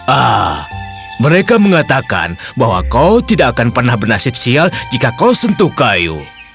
ah mereka mengatakan bahwa kau tidak akan pernah bernasib sial jika kau sentuh kayu